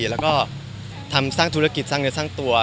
แล้วก็ทำสร้างธุรกิจสร้างเนื้อสร้างตัว